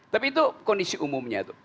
tapi itu kondisi umumnya